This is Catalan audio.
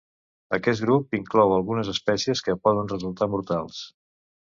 Aquest grup inclou algunes espècies que poden resultar mortals.